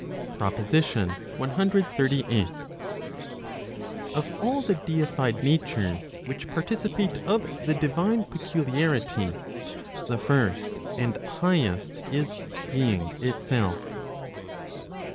PROPOSITION CXXXVIII. Of all the deified natures which participate of the divine peculiarity, the first and highest is being itself.